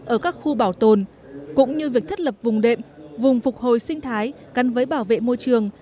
ở các khu bảo tồn cũng như việc thiết lập vùng đệm vùng phục hồi sinh thái gắn với bảo vệ môi trường